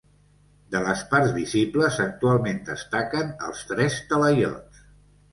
De les parts visibles actualment destaquen els tres talaiots.